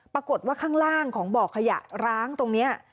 ปรากฏว่าข้างล่างของบ่อขยะร้างตรงนี้